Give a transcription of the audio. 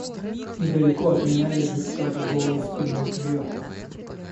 Недалеко от меня лежит кто-то голой спиной кверху.